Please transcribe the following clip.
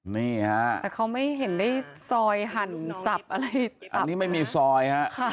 นี่ฮะแต่เขาไม่เห็นได้ซอยหั่นสับอะไรอันนี้ไม่มีซอยฮะ